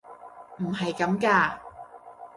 唔係咁㗎！